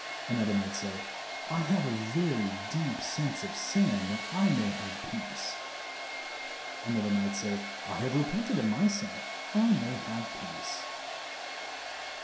Another might say, I have a very deep sense of sin, I may have peace. Another might say, I have repented of my sin, I may have peace.